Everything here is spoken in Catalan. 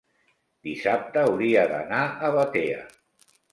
dissabte hauria d'anar a Batea.